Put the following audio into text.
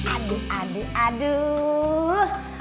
aduh aduh aduh